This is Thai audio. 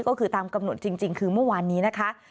ก็คือตามกำหนดจริงคือเมื่อวานนี้นะคะ